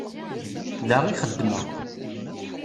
Da i xeddmeɣ.